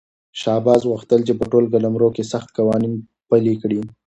شاه عباس غوښتل چې په ټول قلمرو کې سخت قوانین پلي کړي.